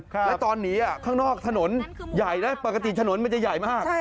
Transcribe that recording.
แล้วตอนหนีข้างนอกถนนใหญ่นะปกติถนนมันจะใหญ่มาก